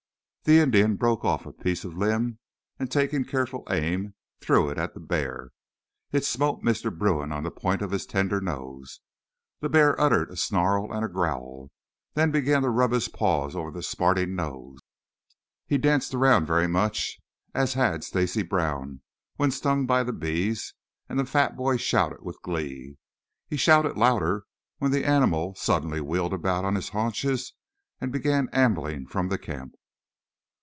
The Indian broke off a piece of limb and taking careful aim threw it at the bear. It smote Mr. Bruin on the point of his tender nose. The bear uttered a snarl and a growl, then began to rub his paws over the smarting nose. He danced about very much as had Stacy Brown when stung by the bees, and the fat boy shouted with glee. He shouted louder when the animal suddenly wheeled about on its haunches and began ambling from the camp.